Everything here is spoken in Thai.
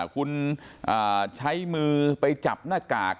คุณใช้มือไปจับหน้ากาก